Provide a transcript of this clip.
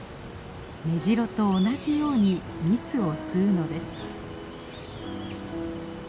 メジロと同じように蜜を吸うのです。